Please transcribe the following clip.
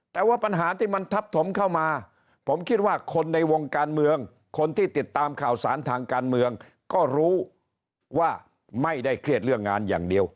แต่ว่าปัญหาที่มันทับถมเข้ามาผมคิดว่าคนในวงการเมืองคนที่ติดตามข่าวสารทางการเมืองก็รู้ว่าไม่ได้เครียดเรื่องงานอย่างเดียว